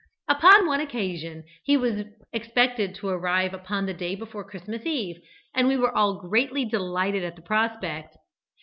Upon one occasion he was expected to arrive upon the day before Christmas Eve, and we were all greatly delighted at the prospect.